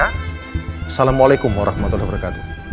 assalamualaikum warahmatullahi wabarakatuh